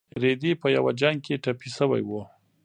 رېدی په یو جنګ کې ټپي شوی و.